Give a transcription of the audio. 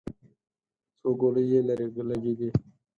خو ګولۍ يې ليرې لګېدې.